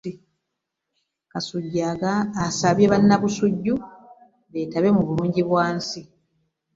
Kasujju asabye bannabusujju beetabe mu bulungibwansi.